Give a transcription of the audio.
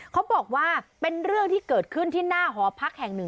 เขาบอกว่าเป็นเรื่องที่เกิดขึ้นที่หน้าหอพักแห่งหนึ่ง